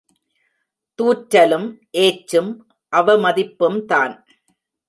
தூற்றலும் ஏச்சும் அவமதிப்பும்தான்.